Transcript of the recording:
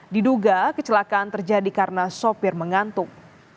diduga kecelakaan terjadi karena sopir mengantuk